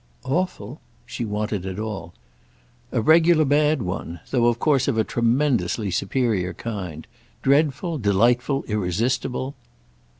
"'Awful'?"—she wanted it all. "A regular bad one—though of course of a tremendously superior kind. Dreadful, delightful, irresistible."